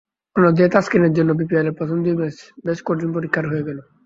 অন্য দিকে তাসকিনের জন্য বিপিএলের প্রথম দুই ম্যাচ বেশ কঠিন পরীক্ষার হয়ে গেল।